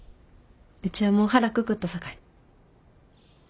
うちはもう腹くくったさかい。